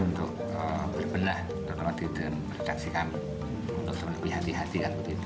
untuk berbenah untuk tidak meredaksikan untuk lebih hati hati